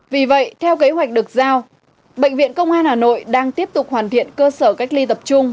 vì vậy theo kế hoạch được giao bệnh viện công an hà nội đang tiếp tục hoàn thiện cơ sở cách ly tập trung